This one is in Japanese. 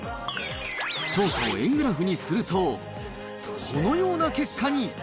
調査を円グラフにすると、このような結果に。